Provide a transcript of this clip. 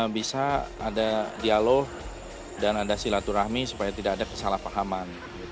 bisa ada dialog dan ada silaturahmi supaya tidak ada kesalahpahaman